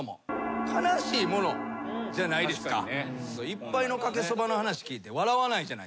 『一杯のかけそば』の話聞いて笑わないじゃないですか。